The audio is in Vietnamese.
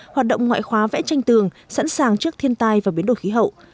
hoạt động ngoại khóa vẽ tranh tường sẵn sàng trước thiên tai và biến đổi khí hậu